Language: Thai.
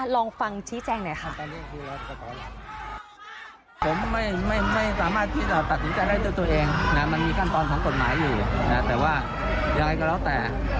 ลองฟังชี้แจงหน่อยค่ะ